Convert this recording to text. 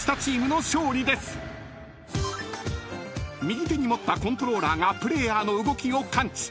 ［右手に持ったコントローラーがプレーヤーの動きを感知］